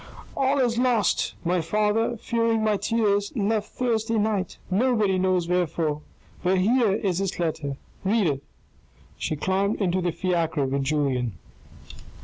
" All is lost. My father, fearing my tears, left Thursday night. Nobody knows where for? But here is his letter: read it." She climbed into the fiacre with Julien.